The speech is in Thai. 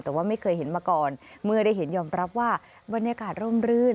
แต่ว่าไม่เคยเห็นมาก่อนเมื่อได้เห็นยอมรับว่าบรรยากาศร่มรื่น